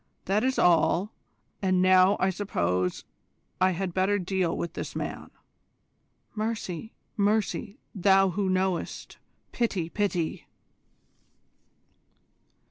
That is all, and now I suppose I had better deal with this man." "Mercy, mercy, Thou Who Knowest! Pity, pity!"